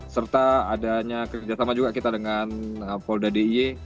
serta adanya kerja sama juga kita dengan polda diy